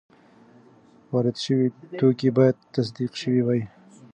وارد شوي توکي باید تصدیق شوي وي.